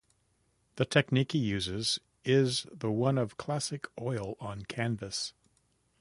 The technique he uses is the one of classic oil on canvas.